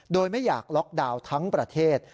โดยไม่อยากล็อกดาวน์ทั้งประเทศ